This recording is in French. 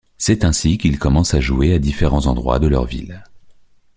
C'est ainsi qu'ils commencent à jouer à différents endroits de leur ville.